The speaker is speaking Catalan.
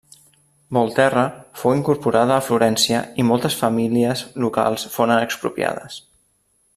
Volterra fou incorporada a Florència i moltes famílies locals foren expropiades.